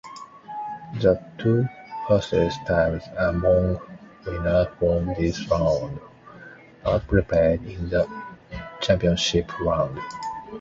The two fastest times among winners from this round participate in the championship round.